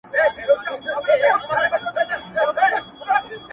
ها د ښكلا شاپېرۍ هغه د سكون سهزادگۍ ـ